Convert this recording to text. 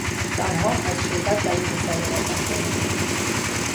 زنها از شرکت در این مسابقه محرومند.